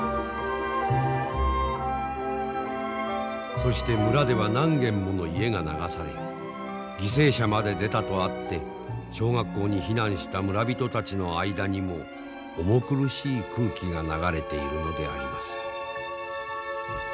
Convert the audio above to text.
そして村では何軒もの家が流され犠牲者まで出たとあって小学校に避難した村人たちの間にも重苦しい空気が流れているのであります。